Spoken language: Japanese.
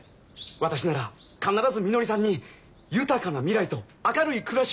私なら必ずみのりさんに豊かな未来と明るい暮らしをお約束いたします。